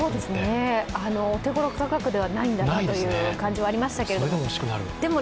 お手頃価格ではないんだという感じはしましたけれども。